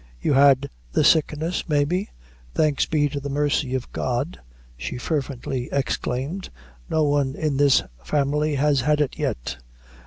"You had the sickness, maybe?" "Thanks be to the mercy of God," she fervently exclaimed, "no one in this family has had it yet."